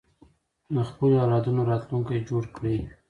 د خپلو اولادونو راتلونکی جوړ کړئ.